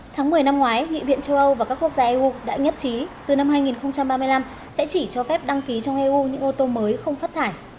tháng một mươi năm ngoái nghị viện châu âu và các quốc gia eu đã nhất trí từ năm hai nghìn ba mươi năm sẽ chỉ cho phép đăng ký trong eu những ô tô mới không phát thải